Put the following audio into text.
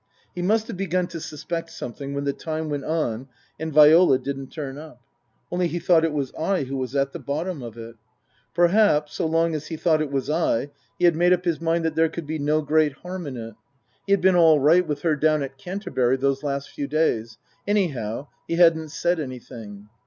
He must have begun to suspect something when the time went on and Viola didn't turn up. Only he thought it was I who was at the bottom of it. Perhaps, so long as he thought it was I, he had made up his mind that there could be no great harm in it. He had been all right with Book II : Her Book 183 her down at Canterbury those last few days. Anyhow, he hadn't said anything.